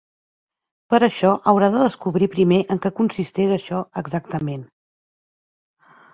Per a això haurà de descobrir primer en què consisteix això exactament.